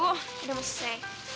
udah mau selesai